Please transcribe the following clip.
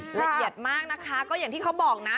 ละเอียดมากนะคะก็อย่างที่เขาบอกนะ